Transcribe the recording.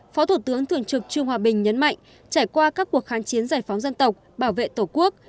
phó thủ tướng thường trực trương hòa bình nhấn mạnh trải qua các cuộc kháng chiến giải phóng dân tộc bảo vệ tổ quốc